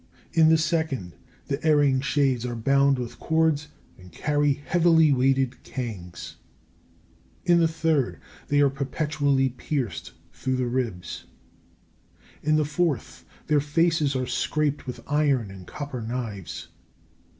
In the second, the erring shades are bound with cords and carry heavily weighted cangues. In the third, they are perpetually pierced through the ribs. In the fourth, their faces are scraped with iron and copper knives.